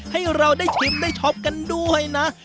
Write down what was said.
ให้เราได้ชิมได้ช็อปกันด้วยนะ